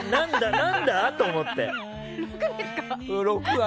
何だ？と思って。